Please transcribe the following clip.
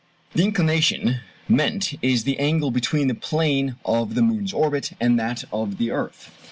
The "inclination" meant is the angle between the plane of the moon's orbit and that of the earth.